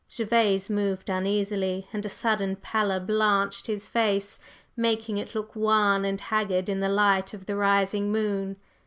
Gervase moved uneasily, and a sudden pallor blanched his face, making it look wan and haggard in the light of the rising moon.